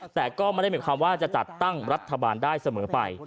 แต่ก็ไม่ได้หมายความว่าจะจัดตั้งรัฐบาลได้เสมอไป